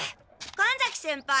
神崎先輩